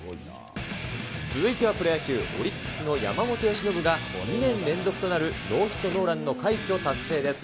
続いてはプロ野球・オリックスの山本由伸が２年連続となるノーヒットノーランの快挙を達成です。